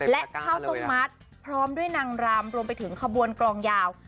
และข้าวต้มมัดพร้อมด้วยนางรำรวมไปถึงขบวนกลองยาว